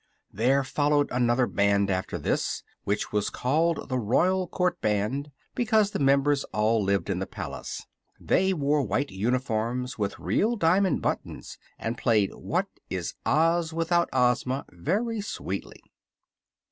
There followed another band after this, which was called the Royal Court Band, because the members all lived in the palace. They wore white uniforms with real diamond buttons and played "What is Oz without Ozma" very sweetly.